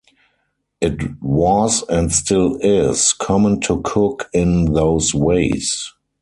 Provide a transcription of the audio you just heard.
It was and still is common to cook in those ways.